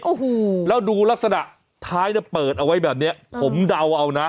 โอ้โหแล้วดูลักษณะท้ายเนี่ยเปิดเอาไว้แบบเนี้ยผมเดาเอานะ